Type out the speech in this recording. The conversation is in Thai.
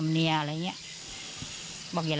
อยู่ที่ถูกต้องสริง